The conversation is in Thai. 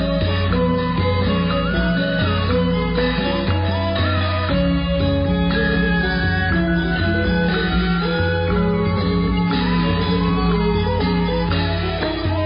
ขอเจ้าขอบคุณยังดวงงามเกตเกาจงเสด็จทั้งข้าวจันทะเมืองมือน